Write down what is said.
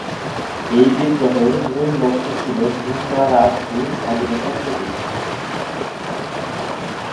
এই বিদ্রোহের মূল লক্ষ্য ছিল মুন্ডা রাজ ও স্বাধীনতা প্রতিষ্ঠা।